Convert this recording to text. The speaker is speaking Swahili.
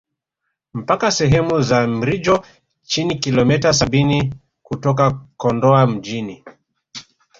Mpaka sehemu za Mrijo Chini kilometa sabini kutoka Kondoa mjini